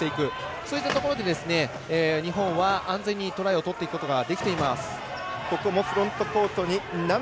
そういったところで日本は安全にトライをとっていくことができています。